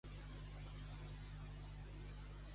Per Sant Elies menjaràs golosies.